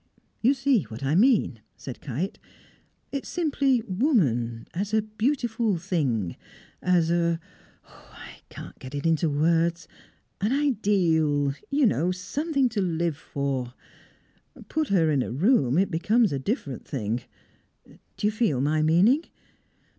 "You see what I mean?" said Kite. "It's simply Woman, as a beautiful thing, as a a oh, I can't get it into words. An ideal, you know something to live for. Put her in a room it becomes a different thing. Do you feel my meaning?